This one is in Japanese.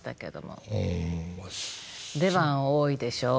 出番多いでしょ？